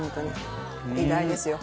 偉大ですよ。